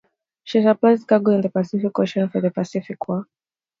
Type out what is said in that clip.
She supplied cargo in the Pacific Ocean for the Pacific War.